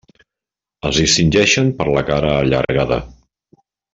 Es distingeixen per la cara allargada.